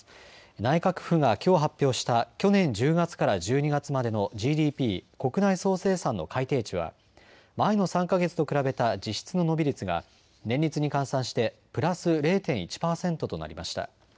内閣府がきょう発表した去年１０月から１２月までのＧＤＰ・国内総生産の改定値は前の３か月と比べた実質の伸び率が年率に換算してプラス０．１％となりました。